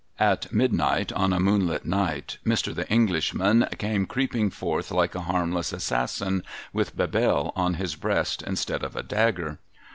At midnight, on a moonlight night, Mr. The Englishman came creeping forth like a harmless assassin, with Bebelle on his breast instead of a dagger.